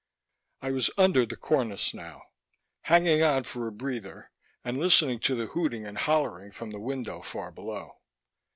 I was under the cornice now, hanging on for a breather, and listening to the hooting and hollering from the window far below.